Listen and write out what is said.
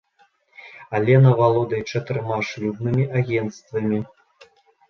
Алена валодае чатырма шлюбнымі агенцтвамі.